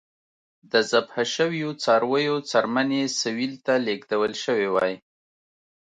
د ذبح شویو څارویو څرمنې سویل ته لېږدول شوې وای.